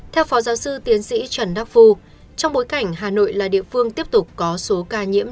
theo phó giáo sư tiến sĩ trần đắc phu trong bối cảnh hà nội là địa phương tiếp tục có số ca nhiễm